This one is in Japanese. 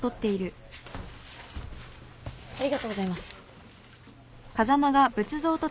ありがとうございます。